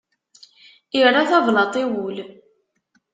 Irra tablaḍt i wul.